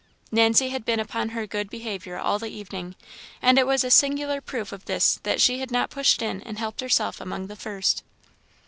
Nancy had been upon her good behaviour all the evening, and it was a singular proof of this that she had not pushed in and helped herself among the first.